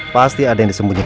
pasti ada yang disembunyikan